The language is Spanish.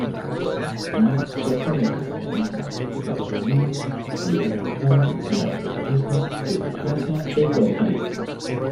Benoist se opone al cristianismo, Estados Unidos, libre mercado, neoliberalismo, democracia e igualitarismo.